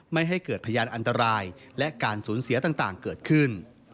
ไม่ให้เกิดพยานอันตรายและการสูญเสียต่างเกิดขึ้น